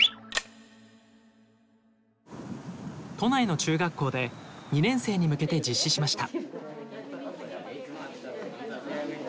都内の中学校で２年生に向けて実施しました。